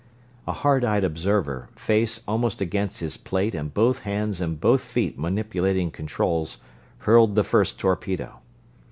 A hard eyed observer, face almost against his plate and both hands and both feet manipulating controls, hurled the first torpedo.